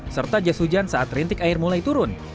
serta jas hujan saat rintik air mulai turun